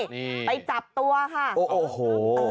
นี่ไปจับตัวค่ะโอ้โห